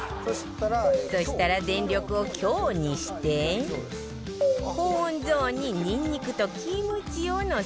そしたら電力を「強」にして高温ゾーンにニンニクとキムチをのせたら